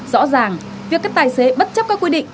rõ ràng việc các tài xế bất chấp các quy định